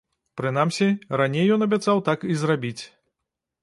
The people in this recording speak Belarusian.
Прынамсі, раней ён абяцаў так і зрабіць.